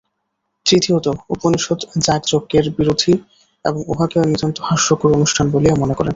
তৃতীয়ত উপনিষদ যাগযজ্ঞের বিরোধী এবং উহাকে নিতান্ত হাস্যকর অনুষ্ঠান বলিয়া মনে করেন।